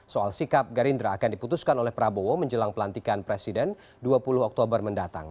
soal sikap gerindra akan diputuskan oleh prabowo menjelang pelantikan presiden dua puluh oktober mendatang